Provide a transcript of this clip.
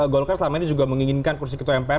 golkar selama ini juga menginginkan kursi ketua mpr